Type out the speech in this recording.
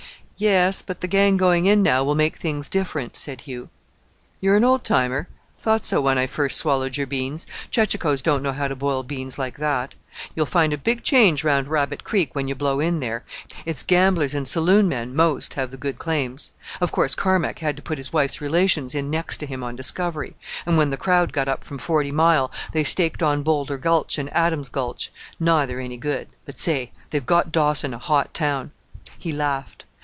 "Yes; but the gang going in now will make things different," said Hugh. "You're an old timer?... Thought so when I first swallowed your beans. Chechachoes don't know how to boil beans like that. You'll find a big change round Rabbit Creek when you blow in there. It's gamblers and saloon men most have the good claims. Of course Carmack had to put his wife's relations in next to him on discovery; and when the crowd got up from Forty Mile they staked on Boulder Gulch and Adams Gulch. Neither any good but say! they've got Dawson a hot town." He laughed.